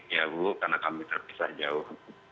ya bu karena kami terpisah jauh